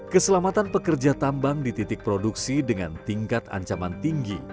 keselamatan pekerja tambang di titik produksi dengan tingkat ancaman tinggi